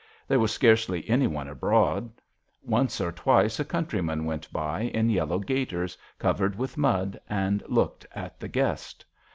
There was scarcely any one abroad. Once or twice a countryman went by in yellow gaiters covered with mud and looked at the guest.